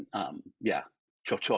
saya sudah tua